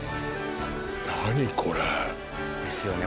何これですよね